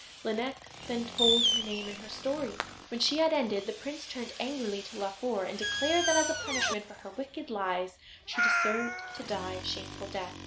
Lineik then told her name and her story. When she had ended the prince turned angrily to Laufer, and declared that, as a punishment for her wicked lies, she deserved to die a shameful death.